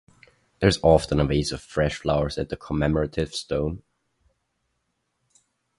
There is often a vase of fresh flowers at the commemorative stone.